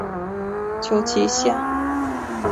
求其下